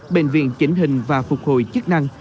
bệnh viện chính hình và phục hồi chức năng